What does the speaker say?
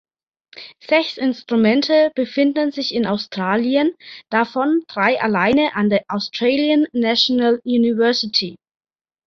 Sechs Instrumente befinden sich in Australien, davon drei alleine an der Australian National University.